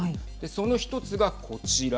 その１つがこちら。